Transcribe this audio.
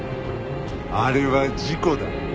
あれは事故だ。